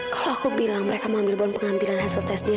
kalau aku bilang mereka mau ambil bom pengambilan hasil tes dia